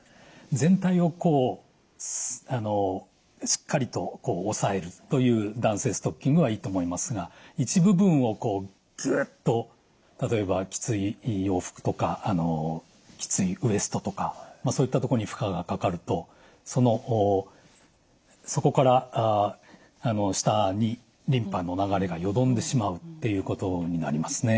全体をこうしっかりと押さえるという弾性ストッキングはいいと思いますが一部分をぐっと例えばきつい洋服とかきついウエストとかそういったところに負荷がかかるとそこから下にリンパの流れがよどんでしまうっていうことになりますね。